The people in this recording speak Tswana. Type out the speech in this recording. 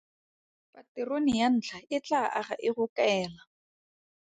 Paterone ya ntlha e tlaa aga e go kaela.